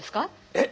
えっ？